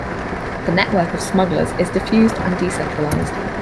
The network of smugglers is diffused and decentralized.